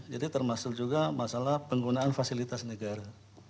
jadi termasuk juga masalah penggunaan fasilitas negara